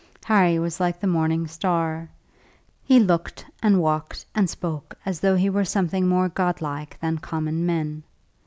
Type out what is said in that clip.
Harry was like the morning star. He looked and walked and spoke as though he were something more godlike than common men.